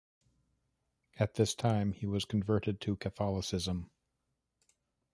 At this time he was converted to Catholicism.